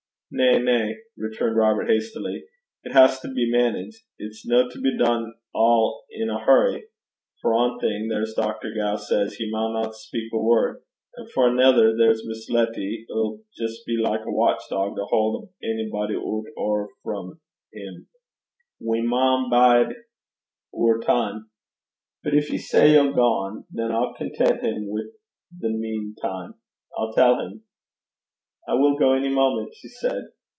'Na, na,' returned Robert, hastily. 'It has to be manage. It's no to be dune a' in a hurry. For ae thing, there's Dr. Gow says he maunna speak ae word; and for anither, there's Miss Letty 'ill jist be like a watch dog to haud a'body oot ower frae 'im. We maun bide oor time. But gin ye say ye'll gang, that 'll content him i' the meantime. I'll tell him.' 'I will go any moment,' she said.